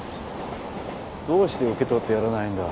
どうして受け取ってやらないんだ。